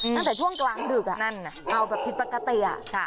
ตั้งแต่ช่วงกลางดึกเห่าแบบผิดปกติ